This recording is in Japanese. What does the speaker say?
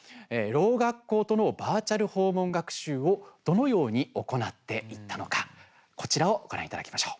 ろう学校とのバーチャル訪問学習をどのように行っていったのかこちらをご覧いただきましょう。